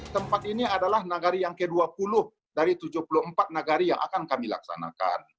tempat ini adalah nagari yang ke dua puluh dari tujuh puluh empat nagari yang akan kami laksanakan